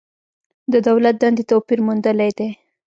د دولت دندې توپیر موندلی دی.